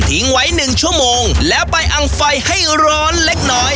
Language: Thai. ไว้หนึ่งชั่วโมงแล้วไปอังไฟให้ร้อนเล็กน้อย